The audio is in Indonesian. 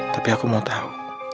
tapi aku mau tau